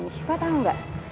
sifat tau gak